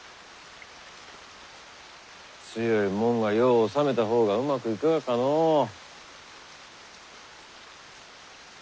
強いもんが世を治めた方がうまくいくがかのう。